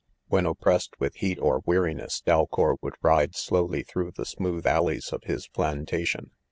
When oppressed with heat or weariness, Dalcour would ride slowly through the smooth alleys of his plantation.